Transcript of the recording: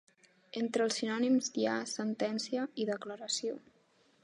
Entre els sinònims hi ha sentència i declaració.